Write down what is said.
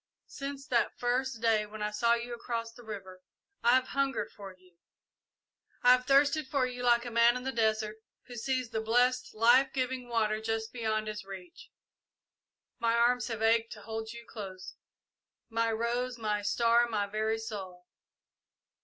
Since that first day, when I saw you across the river, I have hungered for you; yes, I have thirsted for you like a man in the desert who sees the blessed, life giving water just beyond his reach. My arms have ached to hold you close my rose, my star, my very soul!"